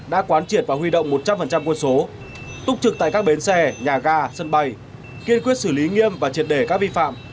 đã quán triệt và huy động một trăm linh quân số túc trực tại các bến xe nhà ga sân bay kiên quyết xử lý nghiêm và triệt để các vi phạm